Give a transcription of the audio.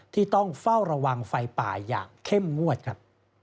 ที่ต้องเฝ้าระวังไฟป่าอย่างเข้มงวดครับ